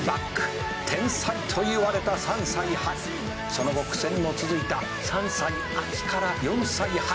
「その後苦戦も続いた３歳秋から４歳春」